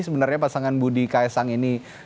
sebenarnya pasangan budi ks sang ini